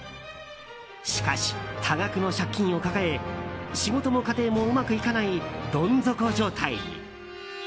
しかし、多額の借金を抱え仕事も家庭もうまくいかないどん底状態に。